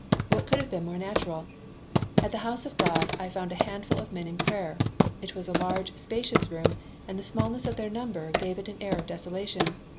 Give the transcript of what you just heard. What could have been more natural? At the house of God I found a handful of men in prayer. It was a large, spacious room and the smallness of their number gave it an air of desolation.